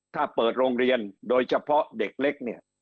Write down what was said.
ถ้าเปิดโรงเรียนโดยเฉพาะเด็กเล็กเนี่ย